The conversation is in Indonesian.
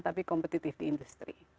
tapi kompetitif di industri